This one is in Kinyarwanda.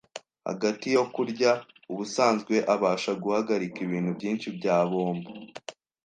Hagati yo kurya, ubusanzwe abasha guhagarika ibintu byinshi bya bombo,